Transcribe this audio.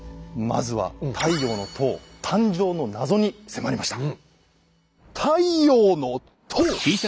まずは「太陽の塔」誕生の謎に迫りました。